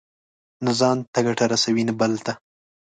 نه ځان ته ګټه رسوي، نه بل ته.